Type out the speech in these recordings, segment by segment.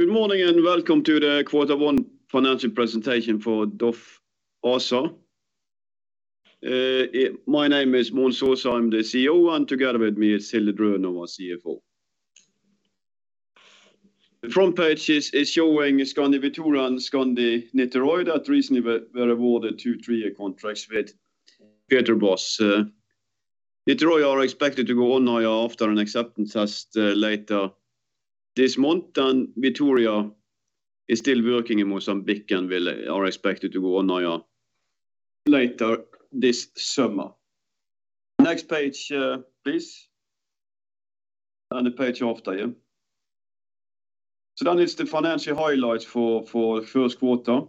Good morning and welcome to the Q1 financial presentation for DOF ASA. My name is Mons Aase, the CEO, and together with me is Hilde Drønen, our CFO. The front page is showing Skandi Victoria and Skandi Niterói that recently were awarded two three-year contracts with Petrobras. Niterói is expected to go on after an acceptance test later this month, and Victoria is still working in Moss and Bøkken are expected to go on later this summer. Next page, please. The page after. It's the financial highlights for Q1.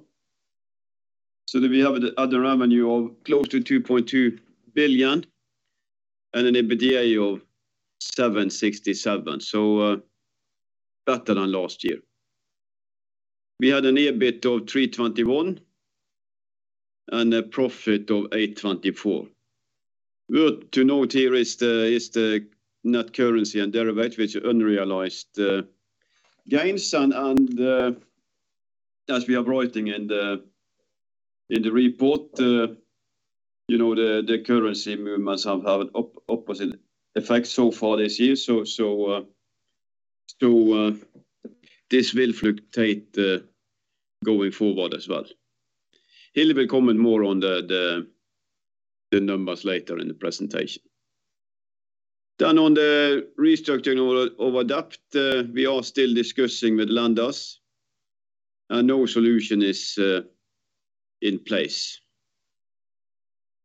We have the operating revenue of close to 2.2 billion and an EBITDA of 767, better than last year. We had an EBIT of 321 and a profit of 824. Good to note here is the net currency and derivative which unrealized gains and as we are writing in the report, you know, the currency movements have had opposite effect so far this year. This will fluctuate going forward as well. Hilde will comment more on the numbers later in the presentation. On the restructuring of the debt, we are still discussing with lenders and no solution is in place.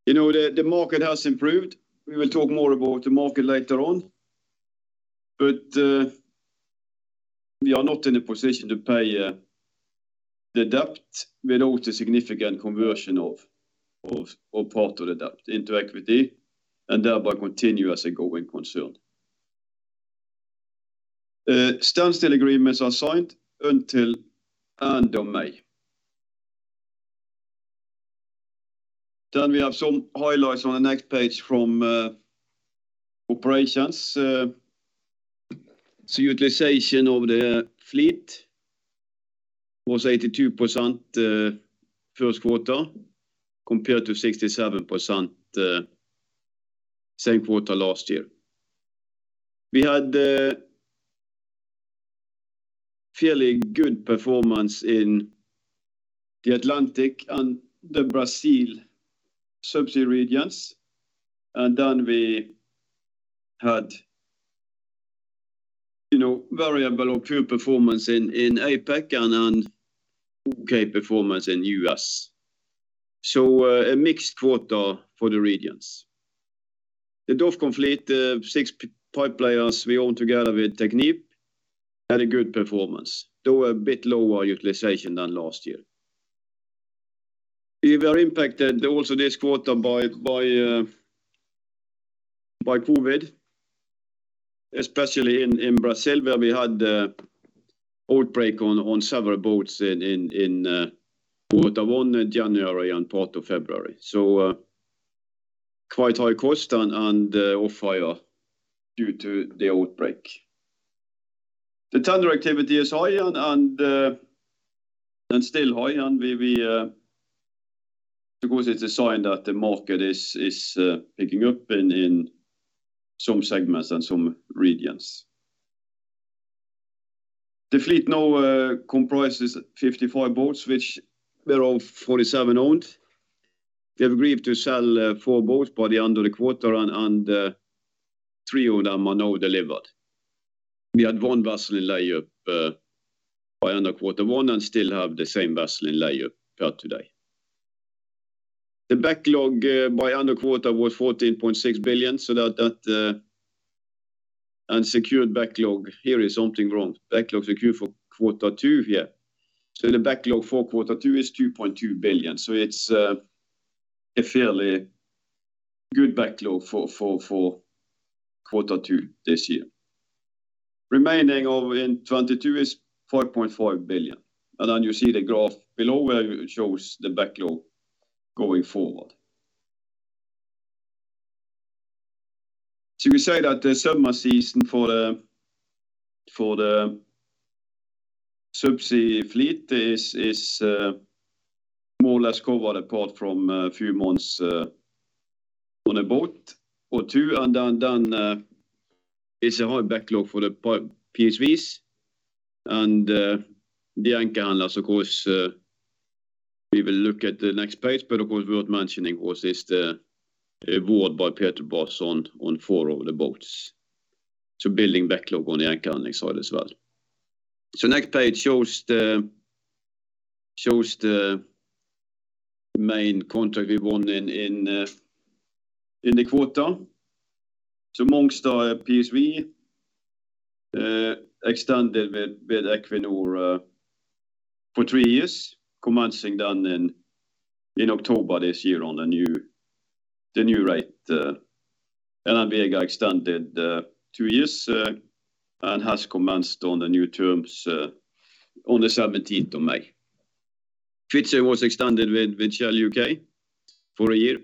You know, the market has improved. We will talk more about the market later on, but we are not in a position to pay the debt without a significant conversion of part of the debt into equity, and thereby continue as a going concern. Standstill agreement is signed until end of May. We have some highlights on the next page from operations. Utilization of the fleet was 82%, Q1 compared to 67%, same quarter last year. We had fairly good performance in the Atlantic and the Brazil subsea regions, and then we had, you know, variable or poor performance in APAC and then okay performance in U.S. A mixed quarter for the regions. The DOF contract, six pipe layers we own together with Technip had a good performance, though a bit lower utilization than last year. We were impacted also this quarter by COVID, especially in Brazil, where we had an outbreak on several boats in quarter one, January and part of February. Quite high cost and off hire due to the outbreak. The tender activity is high and still high, and we. Of course, it's a sign that the market is picking up in some segments and some regions. The fleet now comprises 55 boats, of which 47 owned. We have agreed to sell four boats by the end of the quarter and three of them are now delivered. We had one vessel in layup by end of quarter one and still have the same vessel in layup today. The backlog by end of quarter was 14.6 billion, so that. The secured backlog for quarter two. So the backlog for Q2 is 2.2 billion, so it's a fairly good backlog for quarter two this year. Remaining in 2022 is 4.5 billion. You see the graph below where it shows the backlog going forward. Should we say that the summer season for the subsea fleet is more or less covered apart from a few months on a boat or two, and then is a high backlog for the PSVs. The anchor handles of course we will look at the next page, but of course worth mentioning also is the award by Petrobras on four of the boats. Building backlog on the anchor handling side as well. Next page shows the main contract we won in the quarter. Mongstad PSV extended with Equinor for three years, commencing in October this year on the new rate. Vega extended two years and has commenced on the new terms on the seventeenth of May. Fritz was extended with Shell U.K. for a year,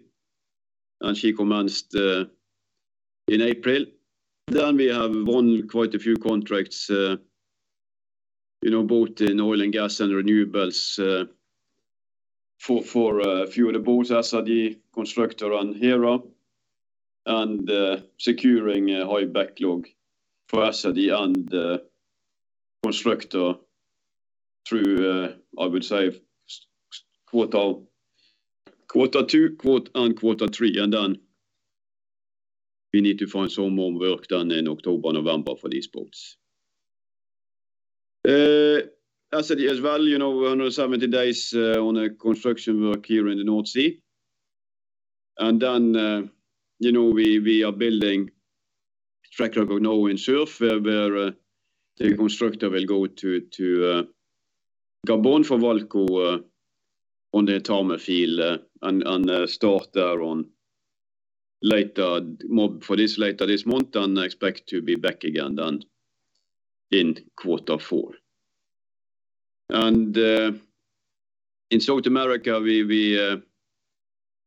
and she commenced in April. We have won quite a few contracts, you know, both in oil and gas and renewables for a few other boats, ASD, Constructor, and Hera. Securing a high backlog for ASD and Constructor through, I would say, quarter two and quarter three. We need to find some more work done in October, November for these boats. I said as well, you know, under 70 days on a construction work here in the North Sea. You know, we are building track record now in SURF where the Constructor will go to Gabon for VAALCO on the Etame field and start there later this month and expect to be back again then in quarter four. In South America,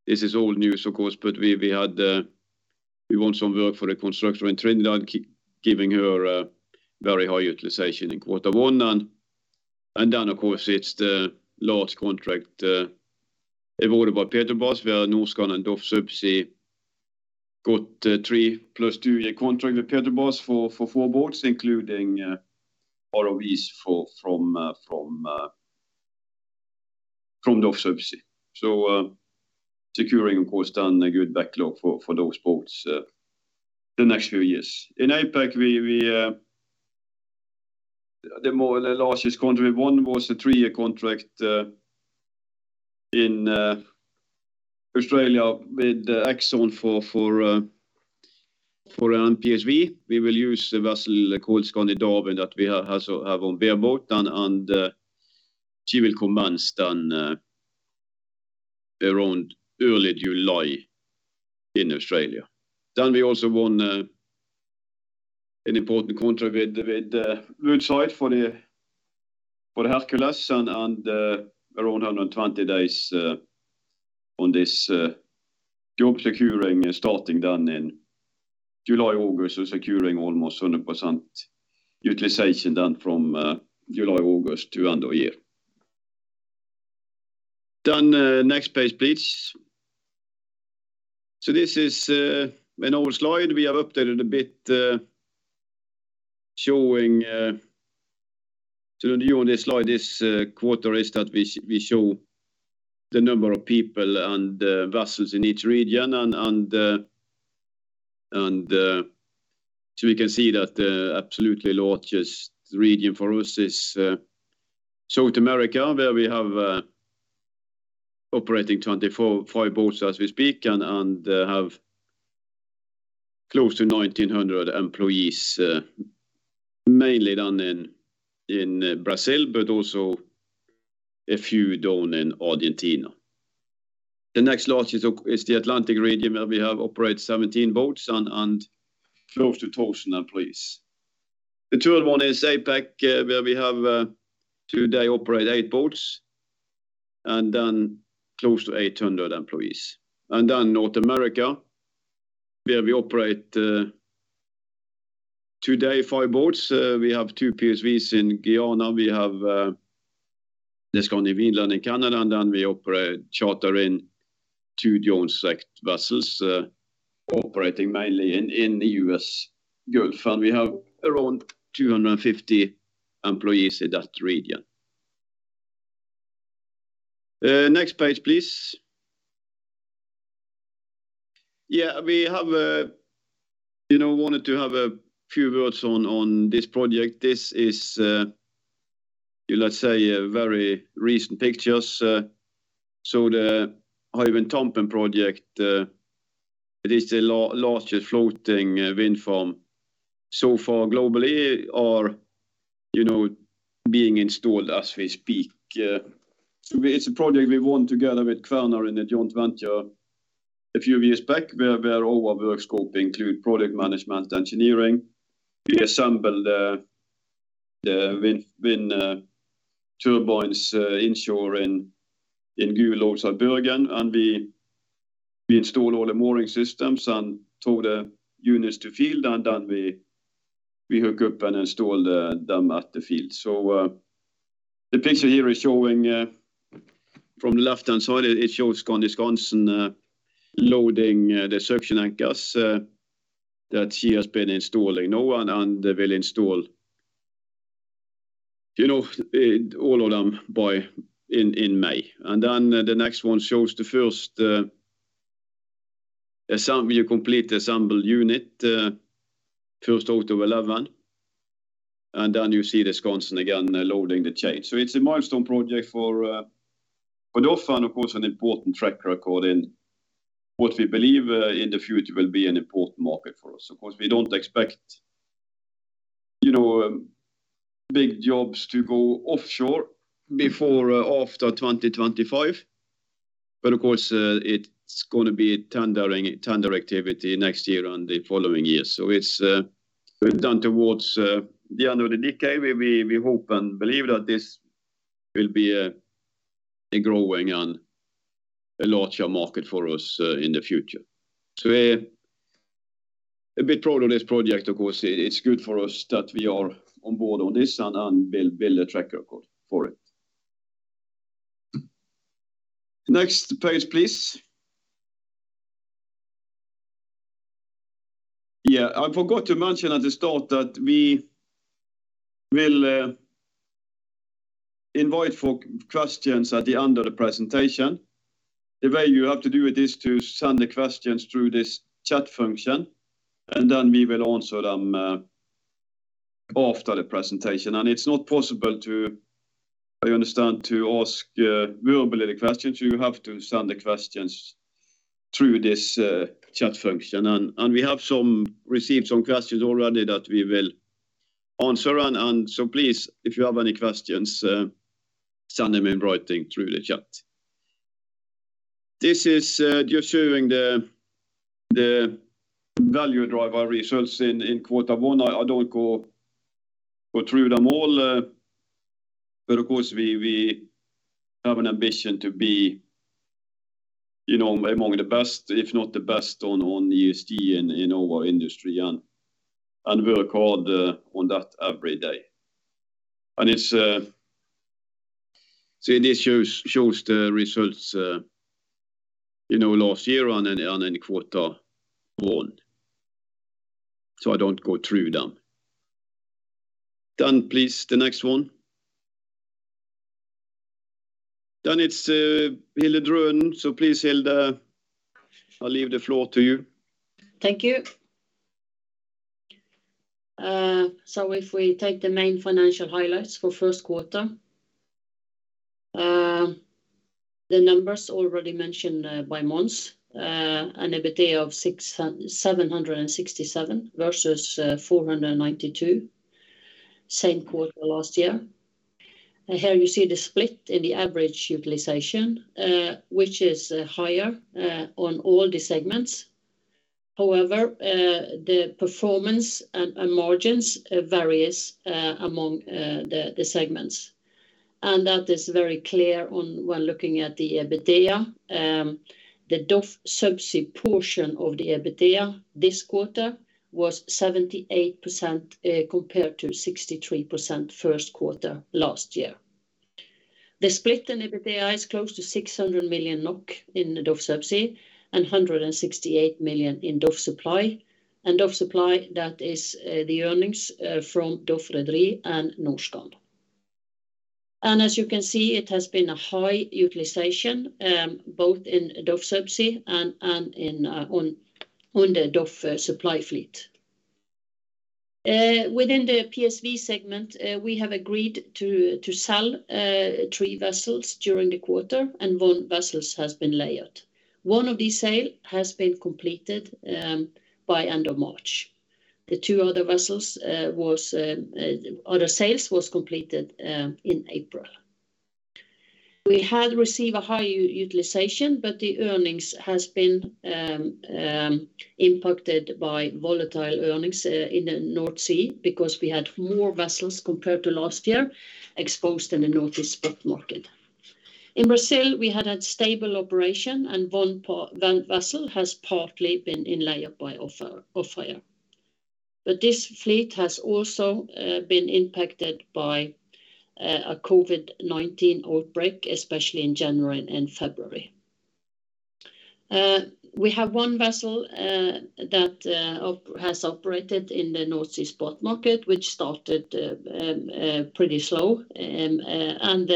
this is old news of course, but we had we won some work for the Constructor in Trinidad giving her very high utilization in quarter one. Then of course it's the large contract awarded by Petrobras via Norskan Offshore subsea. Got 3+2-year contract with Petrobras for four boats, including ROVs from the subsea. Securing of course then a good backlog for those boats the next few years. In APAC, we the largest contract we won was a three-year contract in Australia with Exxon for an PSV. We will use the vessel called Skandi Darwin that we have on bareboat then and she will commence then around early July in Australia. We also won an important contract with Woodside for the Skandi Hercules and around 120 days on this job securing starting then in July, August. Securing almost 100% utilization then from July, August to end of year. Next page, please. This is an old slide we have updated a bit showing. The new on this slide this quarter is that we show the number of people and vessels in each region so we can see that largest region for us is South America, where we have operating 25 boats as we speak and have close to 1,900 employees, mainly down in Brazil, but also a few down in Argentina. The next largest is the Atlantic region, where we operate 17 boats and close to 2,000 employees. The third one is APAC, where we today operate eight boats and then close to 800 employees. Then North America, where we operate today five boats. We have two PSVs in Guyana. We have the Skandi Vinland in Canada, and then we operate charter in two Jones Act vessels, operating mainly in the U.S. Gulf. We have around 250 employees in that region. Next page, please. We have, you know, wanted to have a few words on this project. This is, let's say, a very recent pictures. The Hywind Tampen project, it is the largest floating wind farm so far globally, you know, being installed as we speak. It's a project we won together with Kværner in a joint venture a few years back, where all our work scope include project management, engineering. We assemble the wind turbines inshore in Gulen outside Bergen, and we install all the mooring systems and tow the units to field, and then we hook up and install them at the field. The picture here is showing from the left-hand side, it shows Skandi Constructor loading the suction anchors that she has been installing. They will install, you know, all of them by May. Then the next one shows the first complete assembled unit, first out of 11. Then you see the Constructor again loading the chain. It's a milestone project for the offshore and of course, an important track record in what we believe in the future will be an important market for us. Of course, we don't expect, you know, big jobs to go offshore before after 2025. Of course, it's gonna be tendering, tender activity next year and the following years. It's built down towards the end of the decade. We hope and believe that this will be a growing and a larger market for us in the future. We're a bit proud of this project. Of course, it's good for us that we are on board on this and build a track record for it. Next page, please. Yeah, I forgot to mention at the start that we will invite for questions at the end of the presentation. The way you have to do it is to send the questions through this chat function, and then we will answer them after the presentation. It's not possible to, I understand, to ask verbally the questions. You have to send the questions through this chat function. We have received some questions already that we will answer and so please, if you have any questions, send them in writing through the chat. This is just showing the value driver results in quarter one. I don't go through them all, but of course we have an ambition to be, you know, among the best, if not the best on ESG in our industry and work hard on that every day. This shows the results, you know, last year and in quarter one. I don't go through them. Please, the next one. It's Hilde Drønen. Please, Hilde, I'll leave the floor to you. Thank you. If we take the main financial highlights for first quarter, the numbers already mentioned by Mons Aase. An EBITDA of 767 versus 492 same quarter last year. Here you see the split in the average utilization, which is higher on all the segments. However, the performance and margins varies among the segments. That is very clear on when looking at the EBITDA. The DOF Subsea portion of the EBITDA this quarter was 78% compared to 63% first quarter last year. The split in EBITDA is close to 600 million NOK in the DOF Subsea and 168 million in DOF Supply. DOF Supply, that is the earnings from DOF Rederi and Norskan. As you can see, it has been a high utilization both in DOF Subsea and in the DOF Supply fleet. Within the PSV segment, we have agreed to sell three vessels during the quarter, and one vessel has been laid up. One of these sales has been completed by end of March. The two other sales were completed in April. We had high utilization, but the earnings have been impacted by volatile earnings in the North Sea because we had more vessels compared to last year exposed in the North Sea spot market. In Brazil, we had stable operation and one vessel has partly been in lay-up by DOF Offshore. This fleet has also been impacted by a COVID-19 outbreak, especially in January and February. We have one vessel that has operated in the North Sea spot market, which started pretty slow and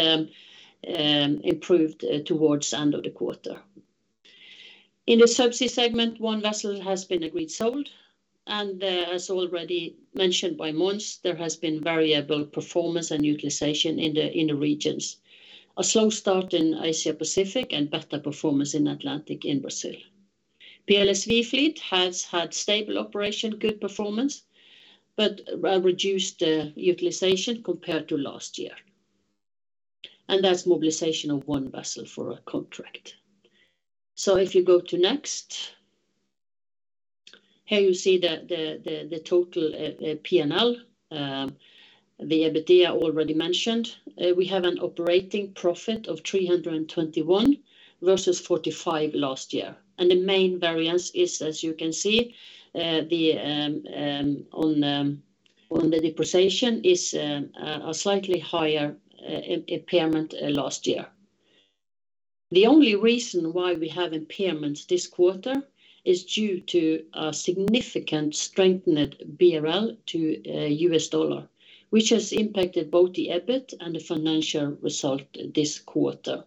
improved towards end of the quarter. In the Subsea segment, one vessel has been agreed sold, and as already mentioned by Mons, there has been variable performance and utilization in the regions. A slow start in Asia-Pacific and better performance in Atlantic in Brazil. PLSV fleet has had stable operation, good performance, but reduced utilization compared to last year. That's mobilization of one vessel for a contract. If you go to next. Here you see the total P&L. The EBITDA already mentioned. We have an operating profit of 321 versus 45 last year. The main variance is, as you can see, the one on the depreciation is a slightly higher impairment last year. The only reason why we have impairments this quarter is due to a significant strengthening of the BRL to the US dollar, which has impacted both the EBIT and the financial result this quarter.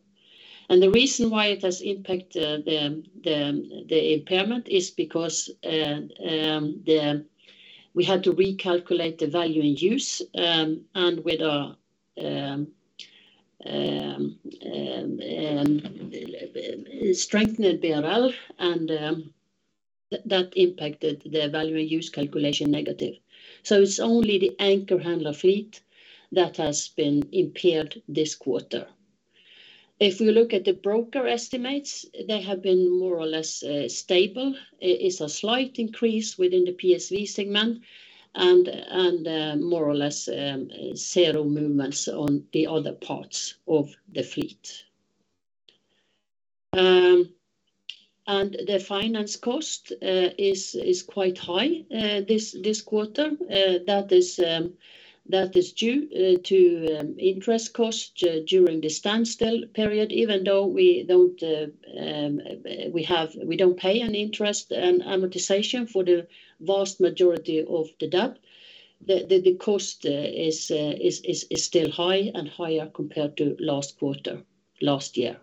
The reason why it has impacted the impairment is because we had to recalculate the value in use and with a strengthening BRL. That impacted the value in use calculation negatively. It's only the anchor handler fleet that has been impaired this quarter. If we look at the broker estimates, they have been more or less stable. It's a slight increase within the PSV segment and more or less zero movements on the other parts of the fleet. The finance cost is quite high this quarter. That is due to interest costs during the standstill period, even though we don't pay any interest and amortization for the vast majority of the debt. The cost is still high and higher compared to last quarter last year.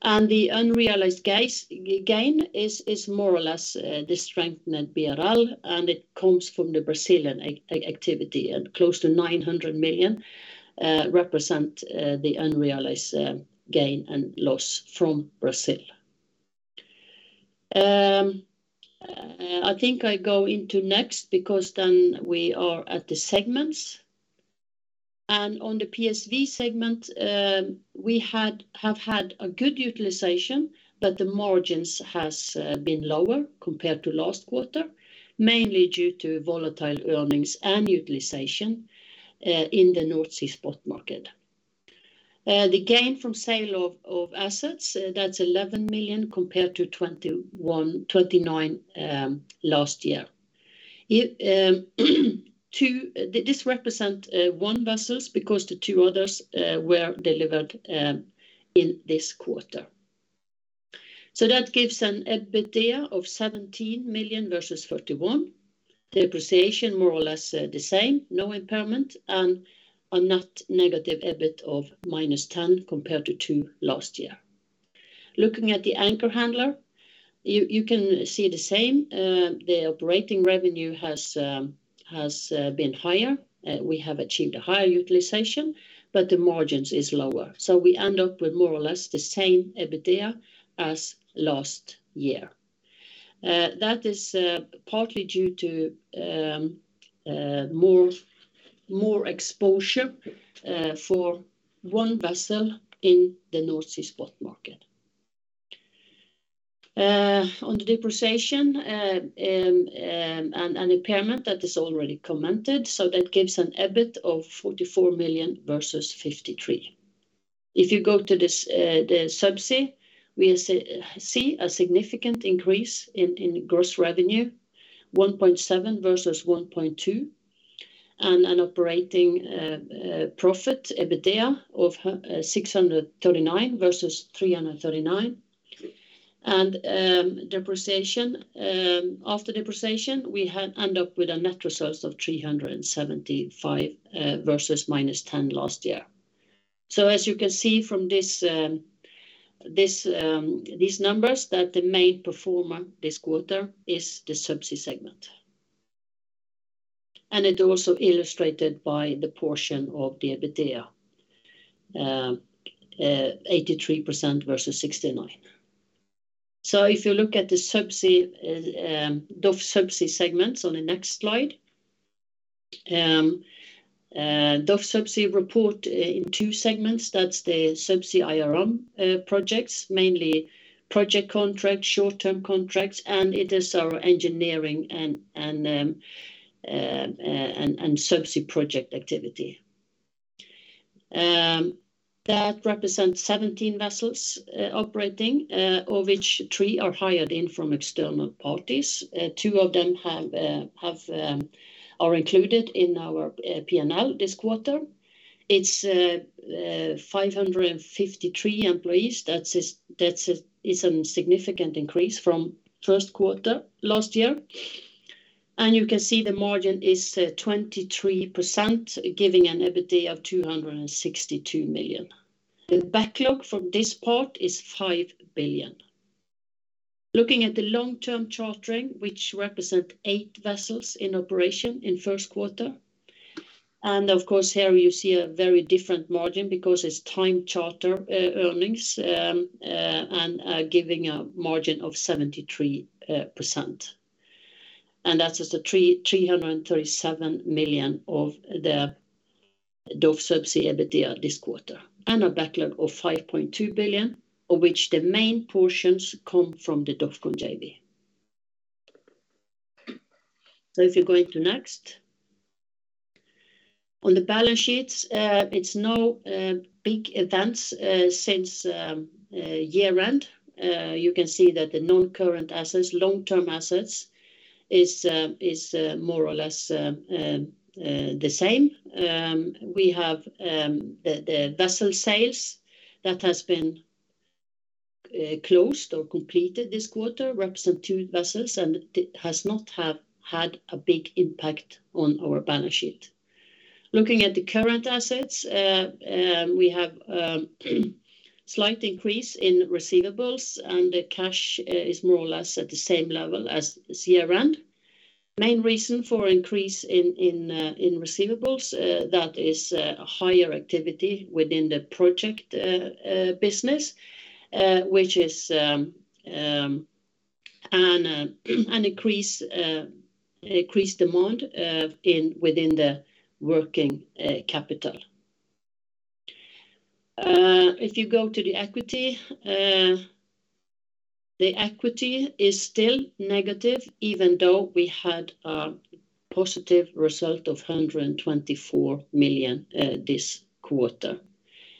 The unrealized gain is more or less the strengthened BRL, and it comes from the Brazilian activity. Close to 900 million represents the unrealized gain and loss from Brazil. I think I go into it next because then we are at the segments. On the PSV segment, we have had a good utilization, but the margins has been lower compared to last quarter, mainly due to volatile earnings and utilization in the North Sea spot market. The gain from sale of assets that's 11 million compared to 29 million last year. This represent one vessels because the two others were delivered in this quarter. So that gives an EBITDA of 17 million versus 41 million. Depreciation more or less the same, no impairment, and a net negative EBIT of -10 million compared to 2 million last year. Looking at the anchor handler, you can see the same. The operating revenue has been higher. We have achieved a higher utilization, but the margins is lower. We end up with more or less the same EBITDA as last year. That is partly due to more exposure for one vessel in the North Sea spot market. On the depreciation and impairment that is already commented, that gives an EBIT of 44 million versus 53 million. If you go to the Subsea, we see a significant increase in gross revenue, 1.7 billion versus 1.2 billion, and an operating profit, EBITDA of 639 million versus 339 million. After depreciation, we end up with a net result of 375 million versus -10 million last year. As you can see from these numbers, that the main performer this quarter is the subsea segment. It also illustrated by the portion of the EBITDA, 83% versus 69%. If you look at the subsea DOF Subsea segments on the next slide. DOF Subsea reports in two segments. That's the Subsea IRM projects, mainly project contracts, short-term contracts, and it is our engineering and subsea project activity. That represents 17 vessels operating, of which three are hired in from external parties. Two of them are included in our P&L this quarter. It's 553 employees. That is a significant increase from first quarter last year. You can see the margin is 23%, giving an EBITDA of 262 million. The backlog from this part is 5 billion. Looking at the long-term chartering, which represent eight vessels in operation in first quarter, and of course, here you see a very different margin because it's time charter earnings, giving a margin of 73%. That is the 337 million of the DOF Subsea EBITDA this quarter, and a backlog of 5.2 billion, of which the main portions come from the DOFCON JV. If you go into next. On the balance sheets, it's no big events since year-end. You can see that the non-current assets, long-term assets is more or less the same. We have the vessel sales that has been closed or completed this quarter represent two vessels, and it has not had a big impact on our balance sheet. Looking at the current assets, we have slight increase in receivables, and the cash is more or less at the same level as this year-end. Main reason for increase in receivables that is higher activity within the project business, which is an increased demand within the working capital. If you go to the equity, the equity is still negative even though we had a positive result of 124 million this quarter.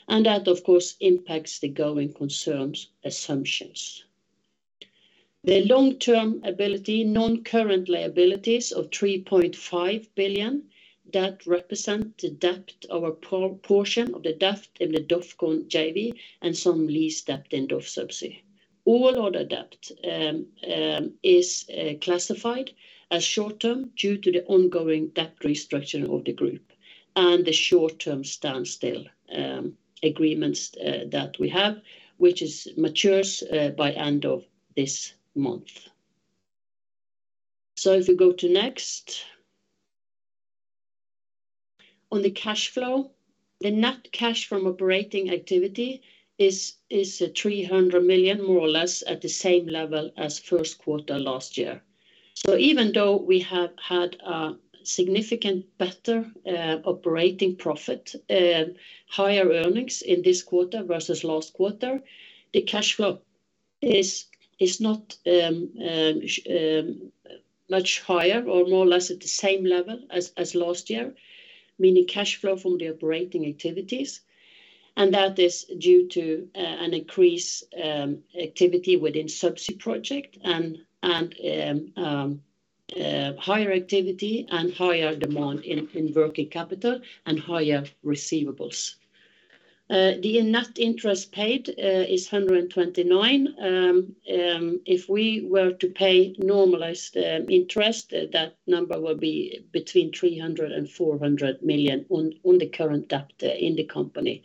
That, of course, impacts the going concerns assumptions. The long-term, non-current liabilities of 3.5 billion that represent the debt of a portion of the debt in the DOF Group JV and some lease debt in DOF Subsea. All other debt is classified as short-term due to the ongoing debt restructuring of the group and the short-term standstill agreements that we have, which matures by end of this month. If you go to next. On the cash flow, the net cash from operating activity is 300 million, more or less at the same level as first quarter last year. Even though we have had a significantly better operating profit, higher earnings in this quarter versus last quarter, the cash flow is not much higher or more or less at the same level as last year, meaning cash flow from the operating activities. That is due to an increased activity within Subsea project and higher activity and higher demand in working capital and higher receivables. The net interest paid is 129 million. If we were to pay normalized interest, that number will be between 300 million and 400 million on the current debt in the company.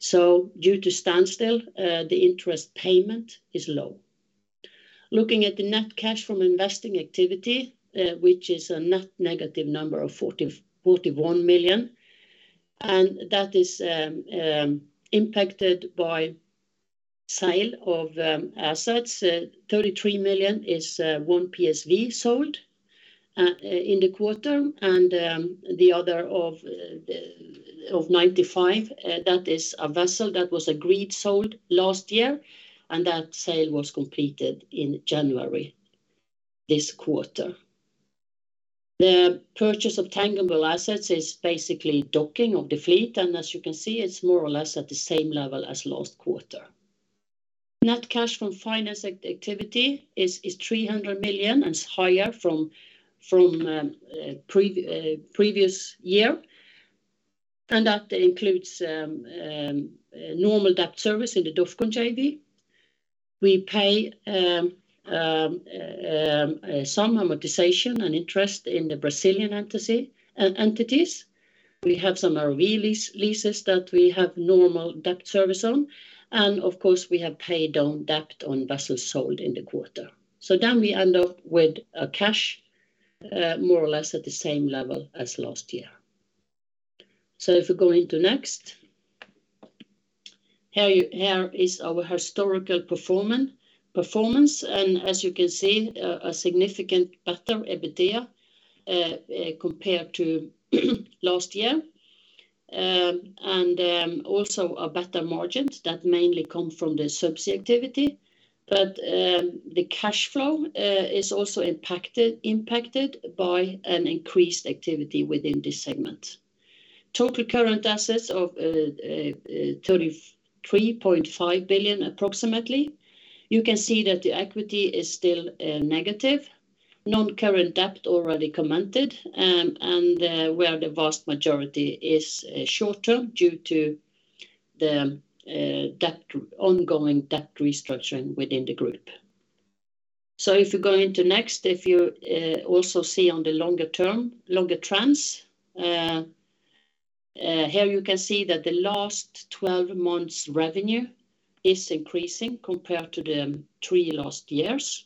Due to standstill, the interest payment is low. Looking at the net cash from investing activity, which is a net negative number of 41 million, and that is impacted by sale of assets. 33 million is one PSV sold in the quarter, and the other of 95 million, that is a vessel that was agreed sold last year, and that sale was completed in January this quarter. The purchase of tangible assets is basically docking of the fleet, and as you can see, it's more or less at the same level as last quarter. Net cash from finance activity is 300 million and is higher from previous year, and that includes some amortization and interest in the Brazilian entities. We have some ROV leases that we have normal debt service on, and of course we have paid down debt on vessels sold in the quarter. We end up with cash more or less at the same level as last year. If we go into next. Here is our historical performance. As you can see, a significant better EBITDA compared to last year. Also a better margins that mainly come from the Subsea activity. The cash flow is also impacted by an increased activity within this segment. Total current assets of 33.5 billion approximately. You can see that the equity is still negative. Non-current debt, already commented, and where the vast majority is short-term due to the ongoing debt restructuring within the group. If you go to the next, you also see on the longer term, longer trends, here you can see that the last 12 months revenue is increasing compared to the last three years.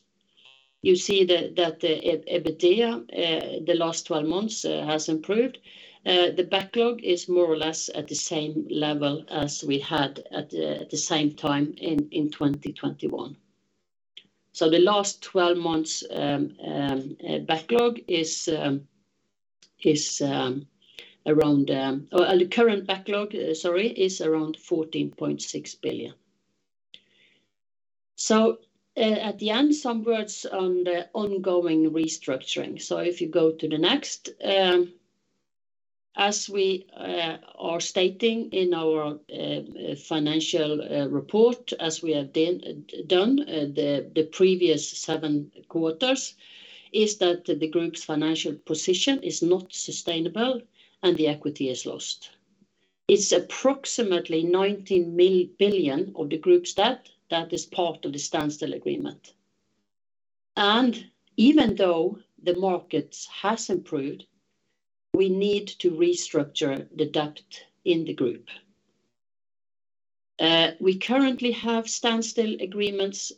You see that the EBITDA, the last 12 months, has improved. The backlog is more or less at the same level as we had at the same time in 2021. The last 12 months backlog is around, or the current backlog, sorry, is around 14.6 billion. At the end, some words on the ongoing restructuring. If you go to the next. As we are stating in our financial report, as we have done the previous seven quarters, the group's financial position is not sustainable and the equity is lost. It's approximately 19 billion of the group's debt that is part of the standstill agreement. Even though the markets has improved, we need to restructure the debt in the group. We currently have standstill agreements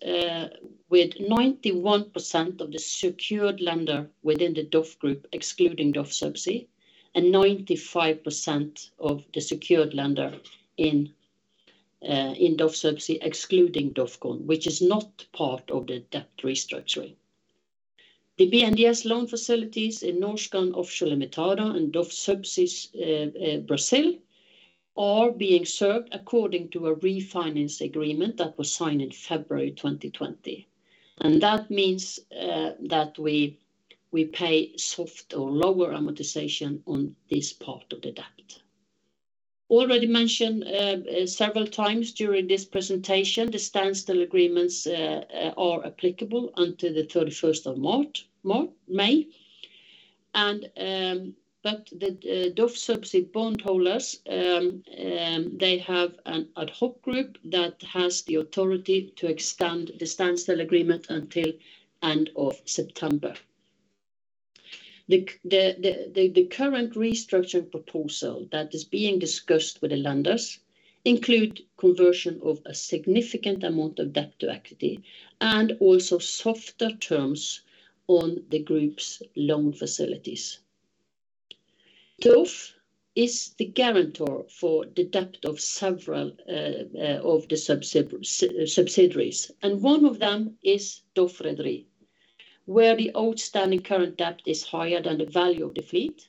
with 91% of the secured lender within the DOF Group, excluding DOF Subsea, and 95% of the secured lender in DOF Subsea, excluding DOFCON, which is not part of the debt restructuring. The BNDES loan facilities in Norskan Offshore Ltda and DOF Subsea Brasil are being served according to a refinance agreement that was signed in February 2020. That means that we pay soft or lower amortization on this part of the debt. Already mentioned several times during this presentation, the standstill agreements are applicable until the thirty-first of May. DOF Subsea bondholders, they have an ad hoc group that has the authority to extend the standstill agreement until end of September. The current restructuring proposal that is being discussed with the lenders include conversion of a significant amount of debt to equity and also softer terms on the group's loan facilities. DOF is the guarantor for the debt of several of the subsidiaries, and one of them is DOF Rederi, where the outstanding current debt is higher than the value of the fleet,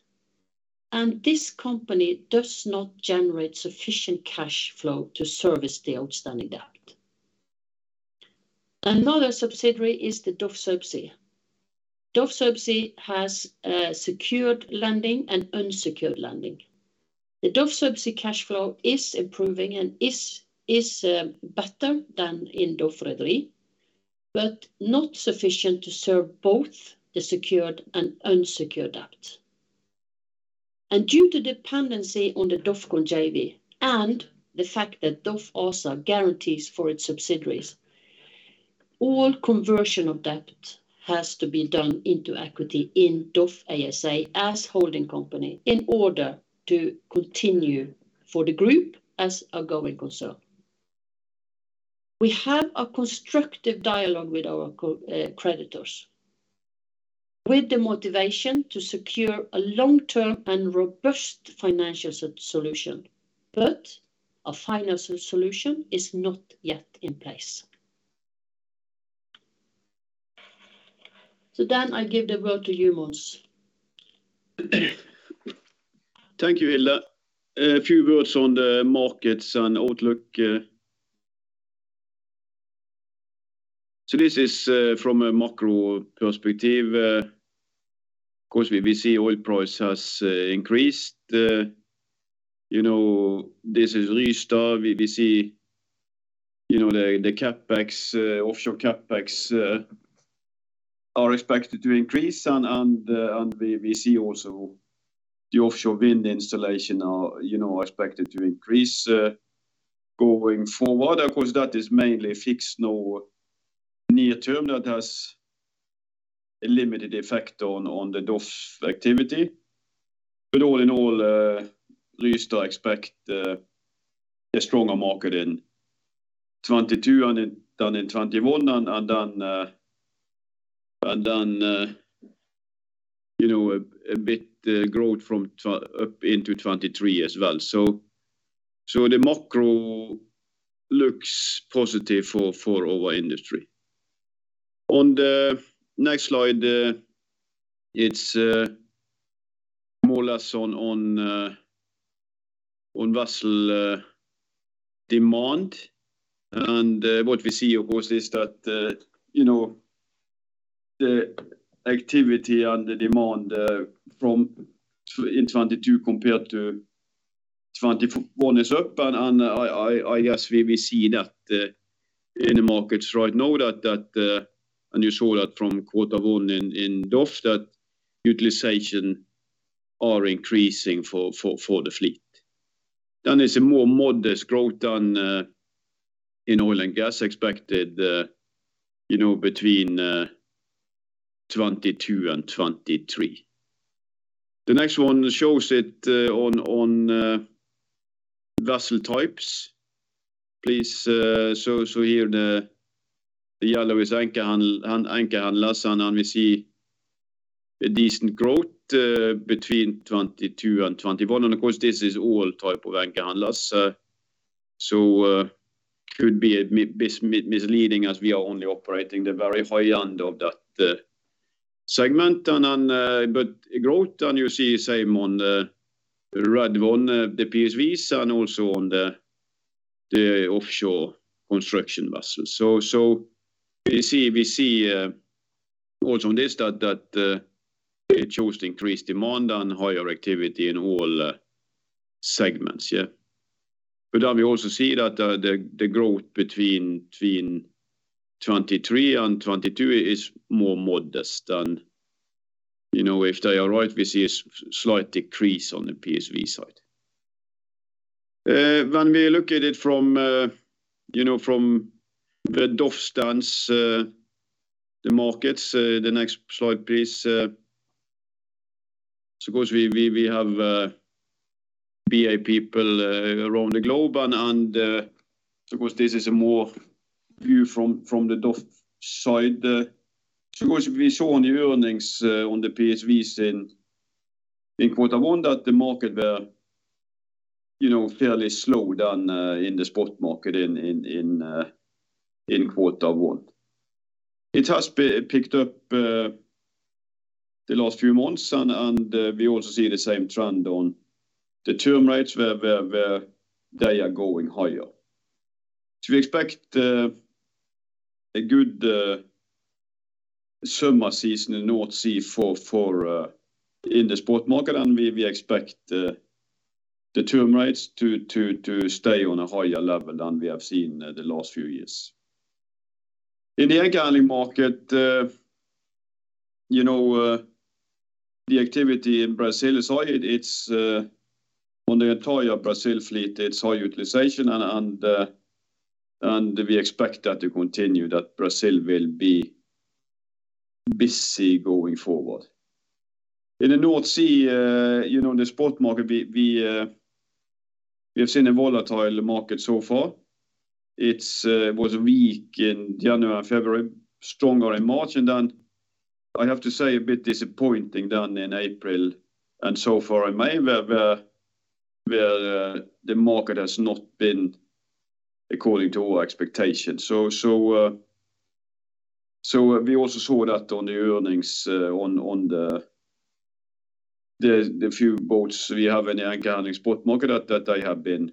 and this company does not generate sufficient cash flow to service the outstanding debt. Another subsidiary is the DOF Subsea. DOF Subsea has secured lending and unsecured lending. The DOF Subsea cash flow is improving and is better than in DOF Rederi, but not sufficient to serve both the secured and unsecured debt. Due to dependency on the DOFCON JV and the fact that DOF ASA guarantees for its subsidiaries, all conversion of debt has to be done into equity in DOF ASA as holding company in order to continue for the group as a going concern. We have a constructive dialogue with our creditors with the motivation to secure a long-term and robust financial solution. A final solution is not yet in place. I give the word to you, Mons. Thank you, Hilde. A few words on the markets and outlook. This is from a macro perspective. Of course, we see oil price has increased. You know, this is Rystad. We see, you know, the offshore CapEx are expected to increase and we see also the offshore wind installation are, you know, expected to increase going forward. Of course, that is mainly fixed now near term. That has a limited effect on the DOF activity. All in all, Rystad expect a stronger market in 2022 than in 2021 and then, you know, a bit growth from 2022 up into 2023 as well. The macro looks positive for our industry. On the next slide, it's more or less on vessel demand. What we see, of course, is that, you know, the activity and the demand in 2022 compared to 2021 is up, and I guess we will see that in the markets right now that. You saw that from quarter one in DOF that utilization are increasing for the fleet. Is a more modest growth than in oil and gas expected, you know, between 2022 and 2023. The next one shows it on vessel types. Please, so here the yellow is anchor handlers, and we see a decent growth between 2022 and 2021. Of course, this is all type of anchor handlers. Could be misleading as we are only operating the very high end of that segment. Growth and you see same on the red one, the PSV and also on the offshore construction vessels. We see also on this that it shows increased demand and higher activity in all segments, yeah. Then we also see that the growth between 2022 and 2023 is more modest than, you know, if they are right, we see a slight decrease on the PSV side. When we look at it from, you know, from the DOF stance, the markets, the next slide, please. Of course we have people around the globe and of course this is more a view from the DOF side. Of course we saw in the earnings on the PSVs in quarter one that the market were, you know, fairly slower than in the spot market in quarter one. It has picked up the last few months and we also see the same trend on the term rates where they are going higher. We expect a good summer season in the North Sea in the spot market and we expect the term rates to stay on a higher level than we have seen the last few years. In the anchor handling market, you know, the activity in Brazil side, it's on the entire Brazil fleet, it's high utilization and we expect that to continue that Brazil will be busy going forward. In the North Sea, you know, in the spot market we have seen a volatile market so far. It was weak in January and February, stronger in March, and then I have to say a bit disappointing then in April and so far in May where the market has not been according to our expectations. We also saw that on the earnings on the few boats we have in the anchor handling spot market that they have been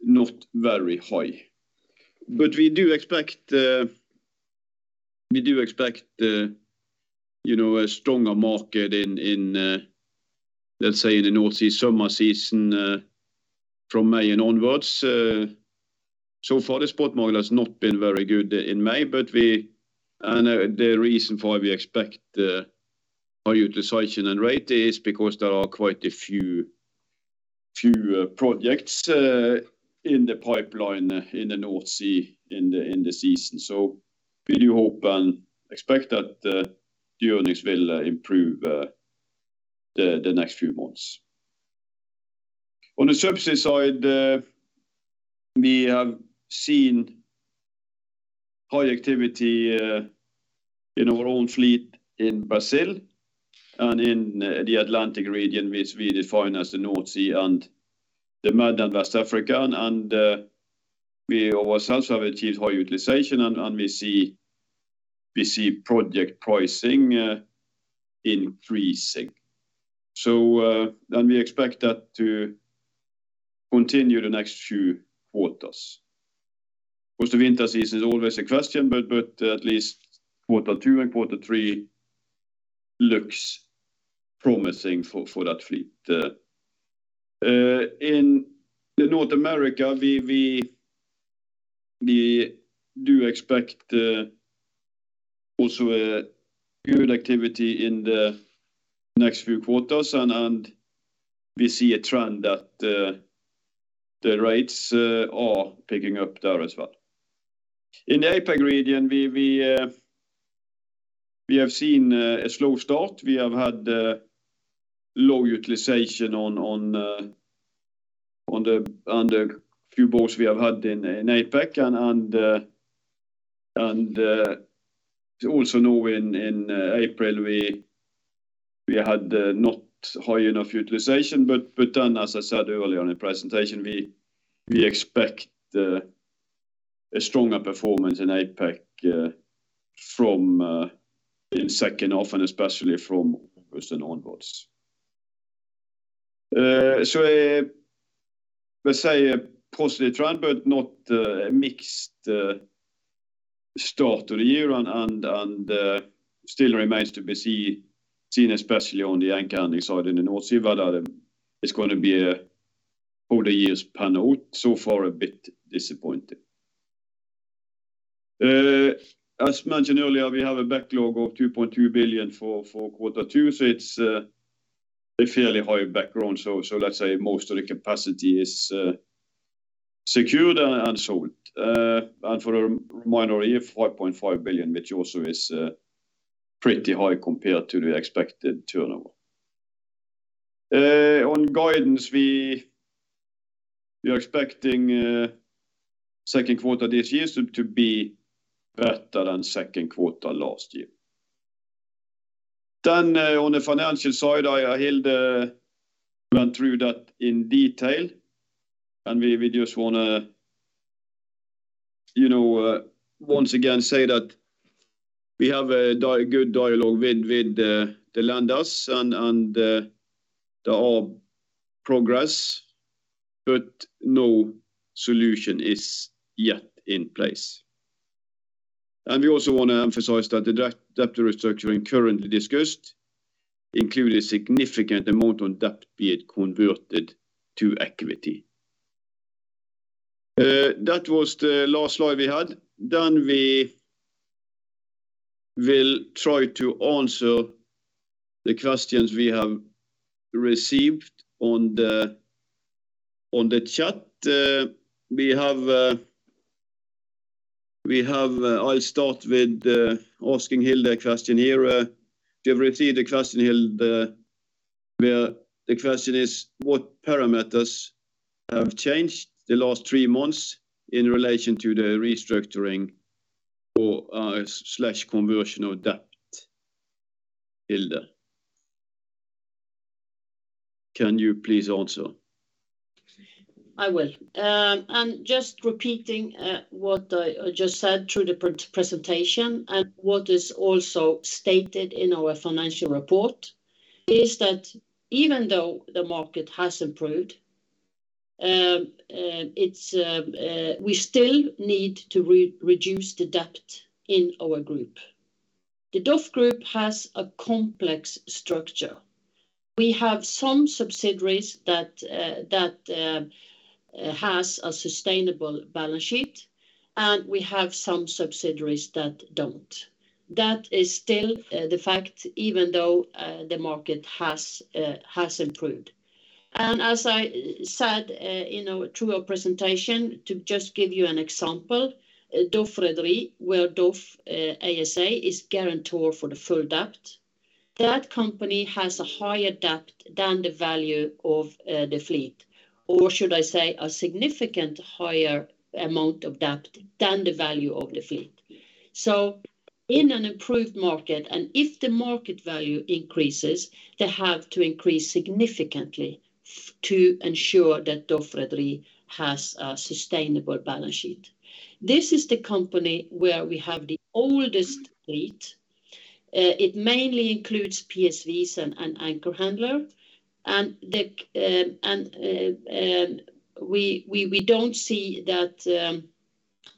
not very high. We do expect, you know, a stronger market in, let's say, in the North Sea summer season from May and onwards. So far the spot market has not been very good in May, but the reason why we expect high utilization and rate is because there are quite a few projects in the pipeline in the North Sea in the season. We do hope and expect that the earnings will improve the next few months. On the subsea side, we have seen high activity in our own fleet in Brazil and in the Atlantic region which we define as the North Sea and the Mid and West Africa. We ourselves have achieved high utilization and we see project pricing increasing. We expect that to continue the next few quarters. Of course the winter season is always a question, but at least quarter two and quarter three looks promising for that fleet. In North America we do expect also a good activity in the next few quarters and we see a trend that the rates are picking up there as well. In the APAC region we have seen a slow start. We have had low utilization on the few boats we have had in APAC and also now in April we had not high enough utilization. Then as I said earlier in the presentation we expect a stronger performance in APAC from the H2 and especially from August and onwards. Let's say a positive trend but not a mixed start to the year and still remains to be seen especially on the anchor handling side in the North Sea where it's going to be a bit disappointing for the year so far. As mentioned earlier we have a backlog of 2.2 billion for quarter two, so it's a fairly high backlog. Let's say most of the capacity is secured and sold. For a reminder here, 5.5 billion which also is pretty high compared to the expected turnover. On guidance we are expecting second quarter this year to be better than second quarter last year. On the financial side I went through that in detail and we just wanna, you know, once again say that we have a good dialogue with the lenders and there is progress but no solution is yet in place. We also want to emphasize that the debt restructuring currently discussed includes a significant amount of debt being converted to equity. That was the last slide we had. We will try to answer the questions we have received on the chat. I'll start with asking Hilde a question here. You have received a question, Hilde, where the question is, "What parameters have changed the last three months in relation to the restructuring or conversion of debt?" Hilde, can you please answer? I will. Just repeating what I just said through the pre-presentation and what is also stated in our financial report is that even though the market has improved, it's we still need to reduce the debt in our group. The DOF Group has a complex structure. We have some subsidiaries that has a sustainable balance sheet, and we have some subsidiaries that don't. That is still the fact even though the market has improved. As I said, you know, through our presentation, to just give you an example, DOF Rederi where DOF ASA is guarantor for the full debt. That company has a higher debt than the value of the fleet, or should I say a significant higher amount of debt than the value of the fleet. In an improved market, and if the market value increases, they have to increase significantly to ensure that DOF Rederi has a sustainable balance sheet. This is the company where we have the oldest fleet. It mainly includes PSVs and anchor handler. We don't see that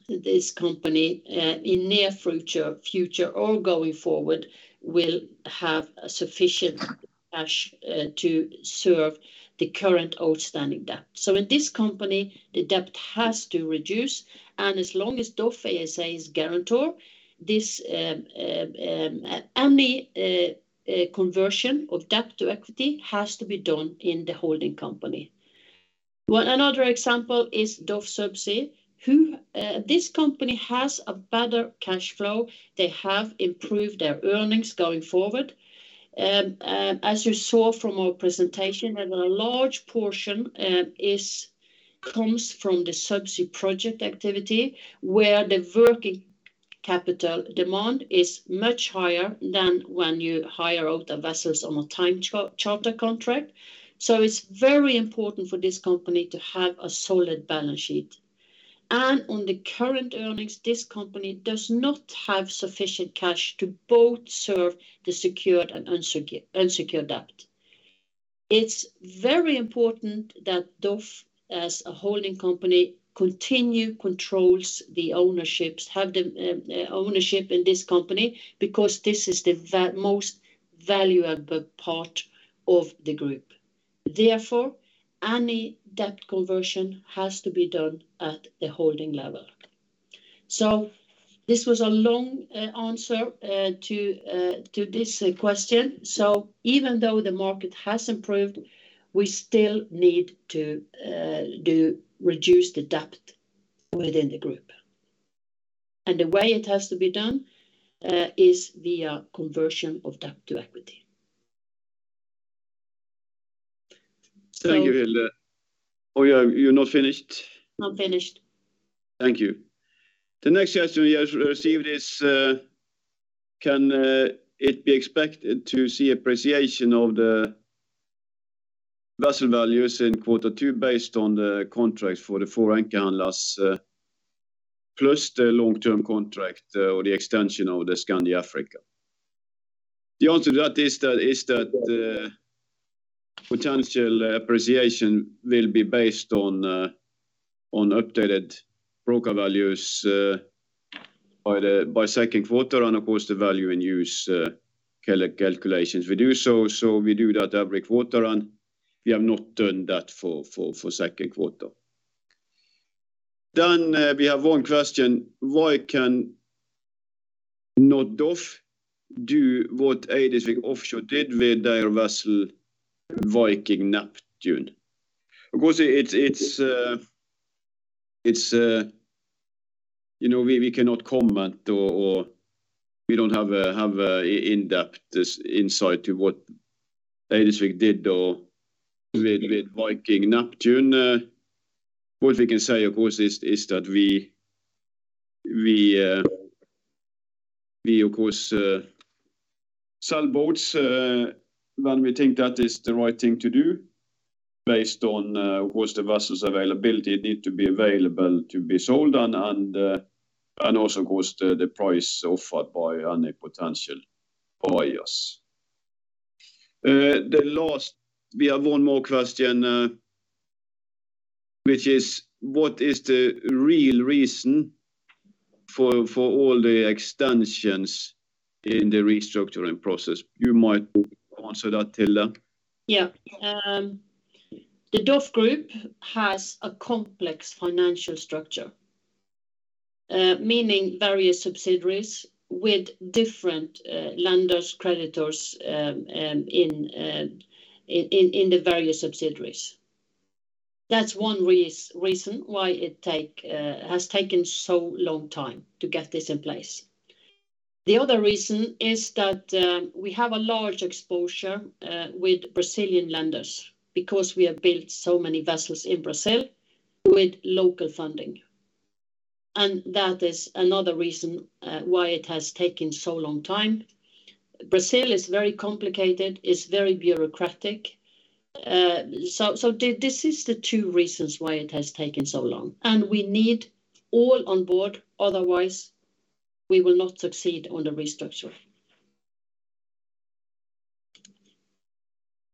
this company in near future or going forward will have sufficient cash to serve the current outstanding debt. In this company, the debt has to reduce, and as long as DOF ASA is guarantor, any conversion of debt to equity has to be done in the holding company. Another example is DOF Subsea who this company has a better cash flow. They have improved their earnings going forward. As you saw from our presentation, that a large portion comes from the subsea project activity, where the working capital demand is much higher than when you hire out the vessels on a time charter contract. It's very important for this company to have a solid balance sheet. On the current earnings, this company does not have sufficient cash to both serve the secured and unsecured debt. It's very important that DOF, as a holding company, continues to control the ownerships and have the ownership in this company because this is the most valuable part of the group. Therefore, any debt conversion has to be done at the holding level. This was a long answer to this question. Even though the market has improved, we still need to reduce the debt within the group. The way it has to be done is via conversion of debt to equity. Thank you, Hilde. Oh, you're not finished? Not finished. Thank you. The next question we have received is, "Can it be expected to see appreciation of the vessel values in quarter two based on the contracts for the foreign anchor handlers, plus the long-term contract, or the extension of the Skandi Africa?" The answer to that is that potential appreciation will be based on updated broker values by second quarter and, of course, the value in use calculations we do. So we do that every quarter, and we have not done that for second quarter. We have one question: "Why cannot DOF do what Eidesvik Offshore did with their vessel Viking Neptune?" Of course, it's you know, we cannot comment or we don't have a in-depth insight into what Eidesvik did or with Viking Neptune. What we can say, of course, is that we, of course, sell boats when we think that is the right thing to do based on, of course, the vessel's availability need to be available to be sold and also, of course, the price offered by any potential buyers. We have one more question, which is, "What is the real reason for all the extensions in the restructuring process?" You might answer that, Hilde. Yeah. The DOF Group has a complex financial structure, meaning various subsidiaries with different lenders, creditors, in the various subsidiaries. That's one reason why it has taken so long time to get this in place. The other reason is that we have a large exposure with Brazilian lenders because we have built so many vessels in Brazil with local funding. That is another reason why it has taken so long time. Brazil is very complicated, very bureaucratic. This is the two reasons why it has taken so long. We need all on board, otherwise we will not succeed on the restructure.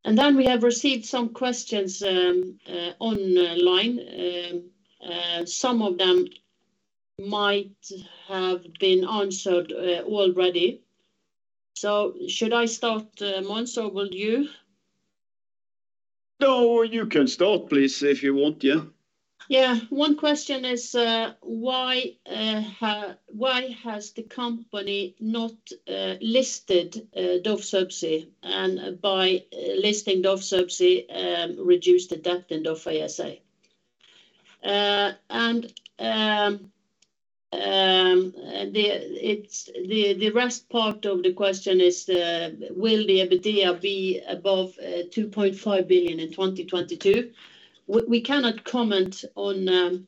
Then we have received some questions online. Some of them might have been answered already. Should I start, Mons, or will you? No, you can start, please, if you want. Yeah. One question is, why has the company not listed DOF Subsea, and by listing DOF Subsea, reduce the debt in DOF ASA? The rest part of the question is, will the EBITDA be above 2.5 billion in 2022? We cannot comment on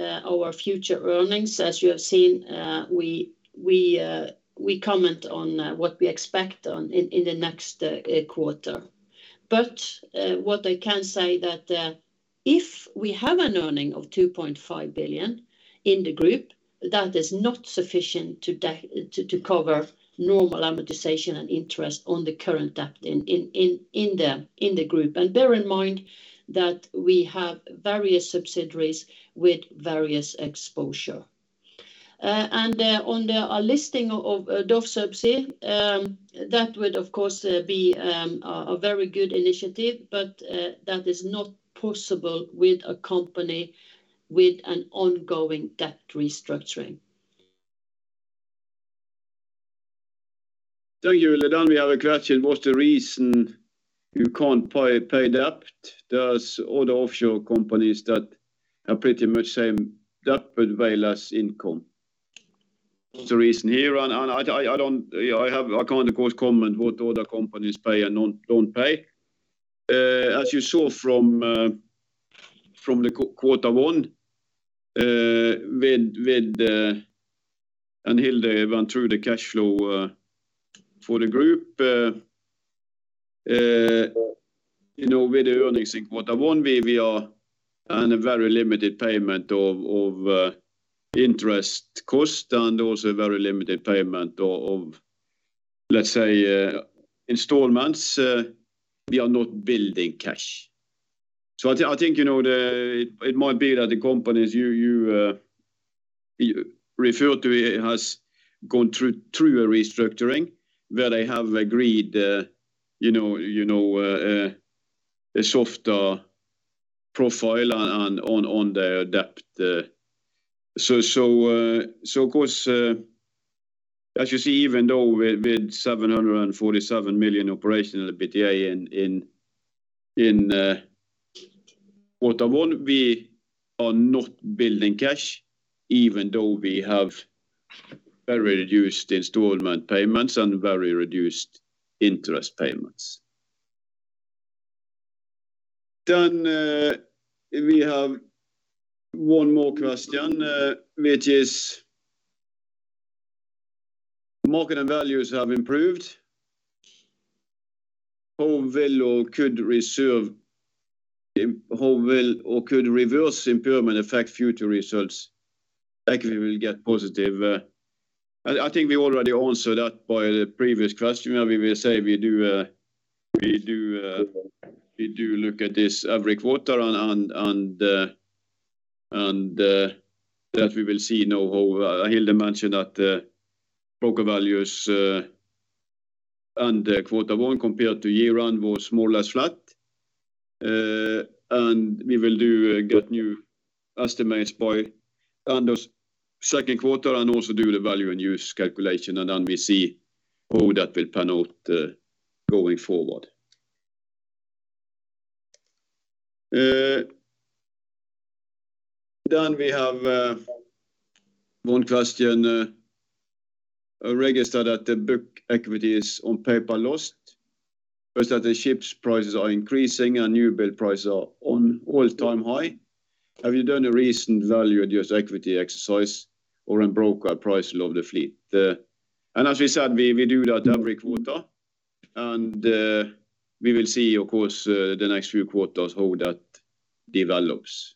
our future earnings. As you have seen, we comment on what we expect in the next quarter. What I can say is that, if we have earnings of 2.5 billion in the group, that is not sufficient to cover normal amortization and interest on the current debt in the group. Bear in mind that we have various subsidiaries with various exposure. On our listing of DOF Subsea, that would of course be a very good initiative, but that is not possible with a company with an ongoing debt restructuring. Thank you. We have a question. What's the reason you can't pay debt? There's other offshore companies that have pretty much same debt but way less income. What's the reason here? I can't, of course, comment what other companies pay and don't pay. As you saw from the quarter one, and Hilde went through the cash flow for the group. You know, with the earnings in quarter one, and a very limited payment of interest cost and also a very limited payment of, let's say, installments, we are not building cash. I think, you know, it might be that the companies you referred to has gone through a restructuring where they have agreed, you know, a softer profile on their debt. Of course, as you see, even though with seven hundred and 47 million operational EBITDA in quarter one, we are not building cash, even though we have very reduced installment payments and very reduced interest payments. We have one more question, which is market and values have improved. How will or could reverse impairment affect future results? Likely will get positive. I think we already answered that by the previous question. We will say we do look at this every quarter and that we will see now how Hilde mentioned that broker values in quarter one compared to year-end was more or less flat. We will get new estimates by end of second quarter and also do the value in use calculation and then we see how that will pan out going forward. Then we have one question registered that the book equity is on paper loss versus the ship prices are increasing and new build prices are on all-time high. Have you done a recent value adjust equity exercise or a broker price of the fleet? As we said, we do that every quarter, and we will see, of course, the next few quarters how that develops.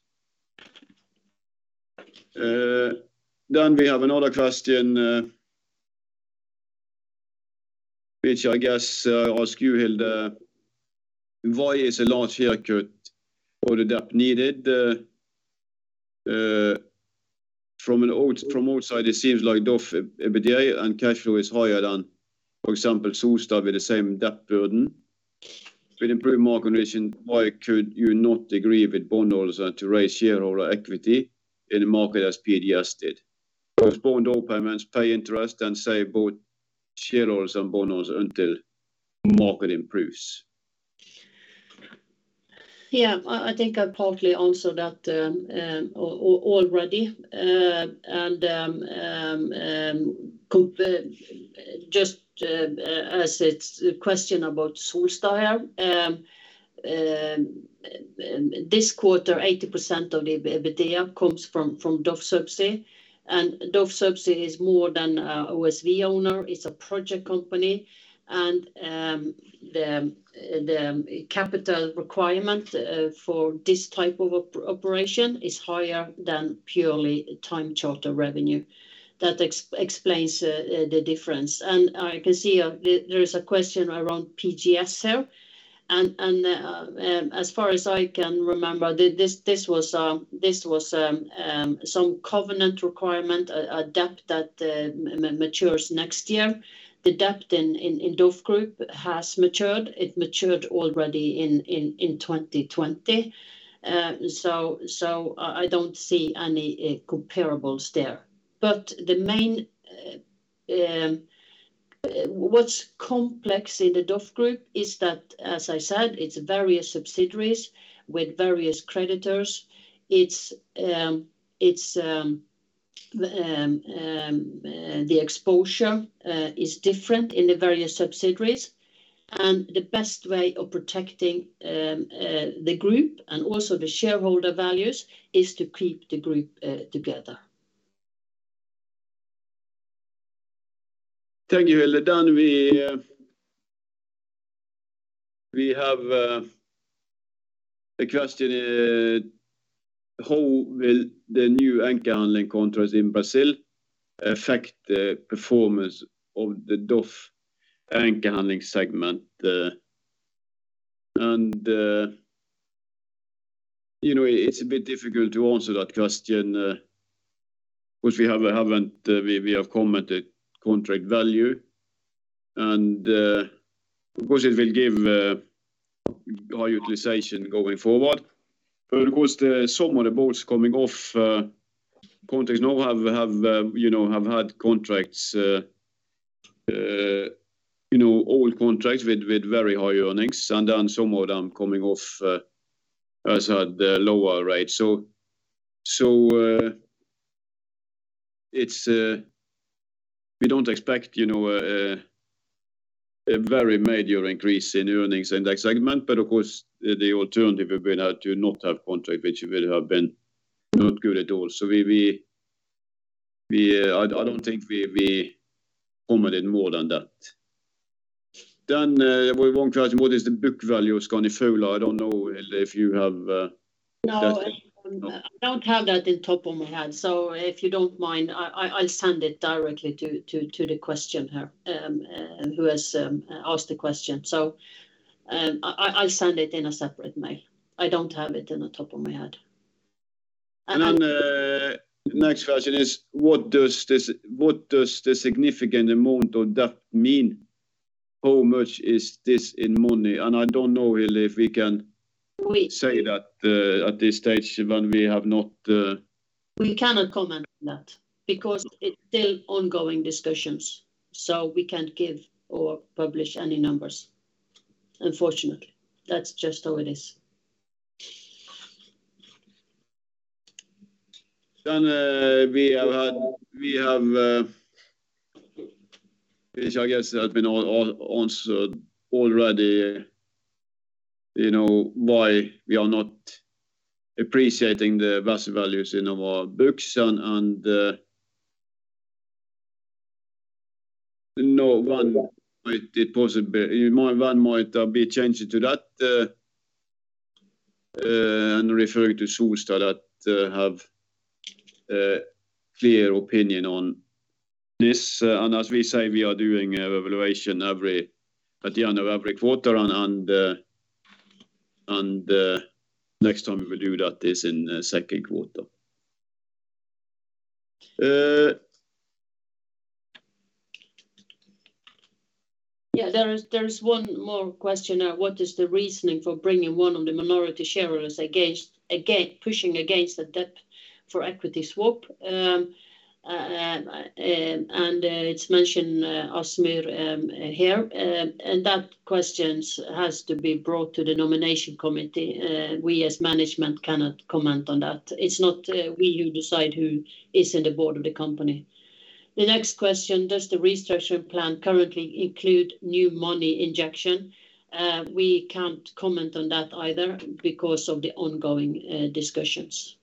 We have another question, which I guess I'll ask you, Hilde. Why is a large haircut on the debt needed? From outside, it seems like DOF EBITDA and cash flow is higher than, for example, Solstad with the same debt burden. With improved market condition, why could you not agree with bondholders to raise shareholder equity in the market, postpone all payments, pay interest, and save both shareholders and bondholders until market improves? I think I partly answered that already. Just as it's a question about Solstad, this quarter, 80% of the EBITDA comes from DOF Subsea, and DOF Subsea is more than an OSV owner. It's a project company, and the capital requirement for this type of operation is higher than purely time charter revenue. That explains the difference. I can see there is a question around PGS here and, as far as I can remember, this was some covenant requirement, a debt that matures next year. The debt in DOF Group has matured. It matured already in 2020. I don't see any comparables there. The main what's complex in the DOF Group is that, as I said, it's various subsidiaries with various creditors. It's the exposure is different in the various subsidiaries, and the best way of protecting the group and also the shareholder values is to keep the group together. Thank you, Hilde. We have a question, how will the new anchor handling contracts in Brazil affect the performance of the DOF anchor handling segment? You know, it's a bit difficult to answer that question, which we haven't commented on the contract value, and of course it will give high utilization going forward. But of course, then some of the boats coming off contracts now have had contracts, you know, old contracts with very high earnings and then some of them coming off at the lower rate. We don't expect, you know, a very major increase in earnings in that segment. Of course, the alternative would been to not have contract, which would have been not good at all. I don't think we commented more than that. We have one question, what is the book value of Skandi Flora? I don't know, Hilde, if you have that. No, I don't have that off the top of my head. If you don't mind, I'll send it directly to the questioner who has asked the question. I'll send it in a separate email. I don't have it off the top of my head. Next question is, what does the significant amount of debt mean? How much is this in money? And I don't know, Hilde, if we can- We- Say that at this stage when we have not. We cannot comment on that because it's still ongoing discussions, so we can't give or publish any numbers, unfortunately. That's just how it is. We have had, which I guess have been all answered already, you know, why we are not appreciating the asset values in our books and one might be changing to that and referring to Solstad that have clear opinion on this. As we say, we are doing evaluation at the end of every quarter and next time we will do that is in second quarter. Yeah. There is one more question. What is the reasoning for bringing one of the minority shareholders against again, pushing against the debt for equity swap? And it's mentioned, Asmund, here. And that question has to be brought to the nomination committee. We as management cannot comment on that. It's not we who decide who is in the board of the company. The next question. Does the restructure plan currently include new money injection? We can't comment on that either because of the ongoing discussions.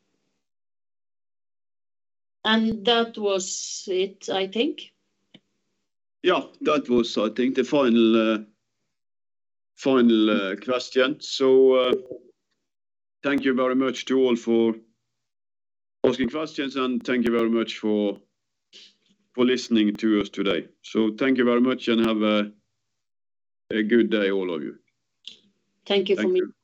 That was it, I think. Yeah. That was, I think, the final question. Thank you very much to all for asking questions, and thank you very much for listening to us today. Thank you very much and have a good day, all of you. Thank you for me. Thank you. Bye.